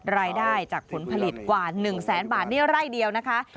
รายได้จากผลผลิตกว่า๑แสนบาทนี่ไร่เดียวนะคะ